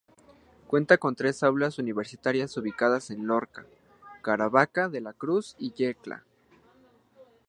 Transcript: Cuenta con tres aulas universitarias ubicadas en Lorca, Caravaca de la Cruz y Yecla.